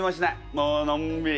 もうのんびり。